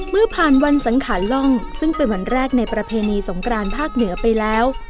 เมื่อผ่านวันสังขารล่องซึ่งเป็นวันแรกในประเพณีสงกรานภาคเหนือไปแล้ว